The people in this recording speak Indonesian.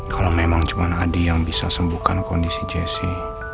kalau memang cuma adi yang bisa sembuhkan kondisi jesse